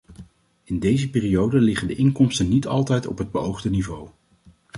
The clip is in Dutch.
In deze periode liggen de inkomsten niet altijd op het beoogde niveau.